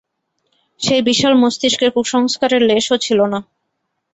সেই বিশাল মস্তিষ্কে কুসংস্কারের লেশও ছিল না।